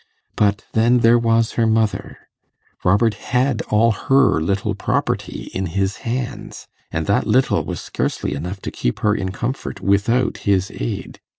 But then there was her mother: Robert had all her little property in his hands, and that little was scarcely enough to keep her in comfort without his aid.